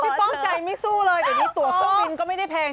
พี่ป้องใจไม่สู้เลยเดี๋ยวนี้ตัวก็ไม่ได้แพง